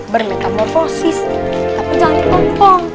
bernyata morfosis tapi jangan kepompong